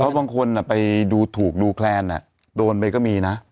บางคนไปดูถูกดูแคลนโดนไปก็มีนะ